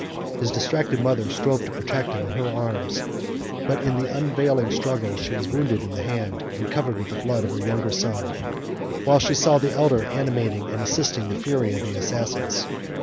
His distracted mother strove to protect him in her arms; but, in the unavailing struggle, she was wounded in the hand, and covered with the blood of her younger son, while she saw the elder animating and assisting 21 the fury of the assassins.